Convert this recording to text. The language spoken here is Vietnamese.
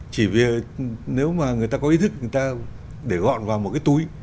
chỉ vì nếu mà người ta có ý thức người ta để gọn vào một cái túi